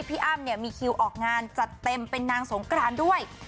อ้ำเนี่ยมีคิวออกงานจัดเต็มเป็นนางสงกรานด้วย